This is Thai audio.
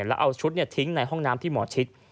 แล้วเอาชุดทิ้งในห้องน้ำที่หมอชิด